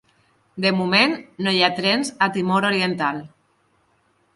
De moment, no hi ha trens a Timor Oriental.